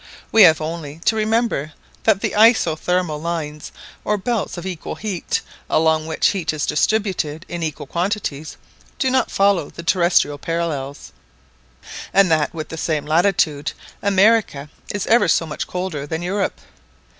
We have only to remember that the isothermal lines, or belts of equal heat, along which heat is distributed in equal quantities, do not follow the terrestrial parallels, and that with the same latitude, America is ever so much colder than Europe.